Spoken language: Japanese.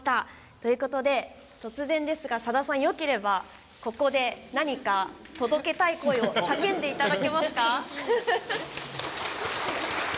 ということで、突然ですがさださんよければ、ここで何か届けたい声を叫んでいただけますか？